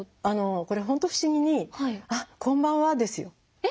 これ本当不思議に「あっこんばんは」ですよ。え？